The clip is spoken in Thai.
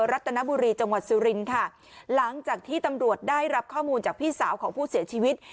รัฐนบุรีจังหวัดสุรินค่ะหลังจากที่ตำรวจได้รับข้อมูลจากพี่สาวของผู้เสียชีวิต